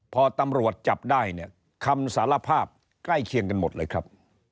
พอตำรวจจับได้เนี่ยคำสารภาพใกล้เคียงกันหมดเลยครับ